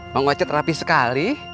pang ustadz rapi sekali